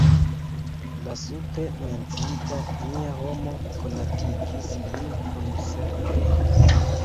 La supre menciita Nia Homo konatigis lin kun Sergej.